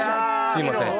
すいません。